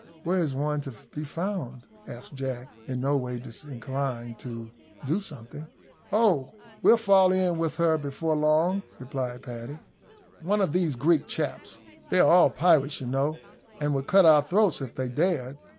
Where is one to be found?" asked Jack, in no way disinclined to do something. "Oh! we'll fall in with her before long," replied Paddy. "One of these Greek chaps. They are all pirates, you know, and would cut our throats if they dared."